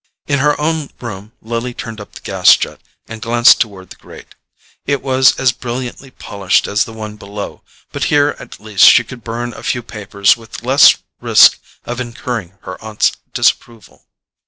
In her own room Lily turned up the gas jet and glanced toward the grate. It was as brilliantly polished as the one below, but here at least she could burn a few papers with less risk of incurring her aunt's disapproval.